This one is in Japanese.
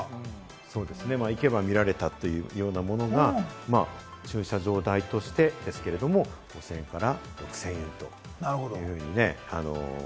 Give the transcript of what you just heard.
そうですね、行けば見られたというものが駐車場代としてですけれども、５０００円から６０００円というふうにね。